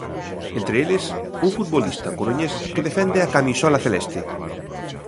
Entre eles, un futbolista coruñés que defende a camisola celeste.